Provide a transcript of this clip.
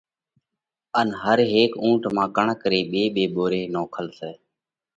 ان هر هيڪ اُونٺ مانه ڪڻڪ ري ٻي ٻي ٻوري نوکل سئہ۔